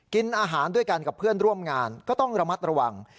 กินอาหารด้วยกันกับเพื่อนร่วมงานก็ต้องระมัดระวัง